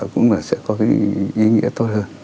cũng là sẽ có cái ý nghĩa tốt hơn